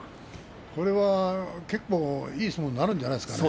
これは結構いい相撲になるんじゃないですか。